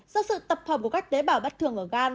do sự tập hợp của các tế bảo bắt thường ở gan